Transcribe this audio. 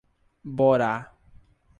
Borá